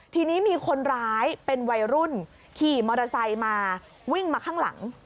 ทีนี้มีคนร้ายเป็นวัยรุ่นขี่มอเตอร์ไซค์มาวิ่งมาข้างหลัง